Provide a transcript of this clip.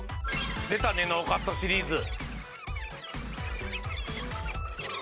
「出たねノーカットシリーズ」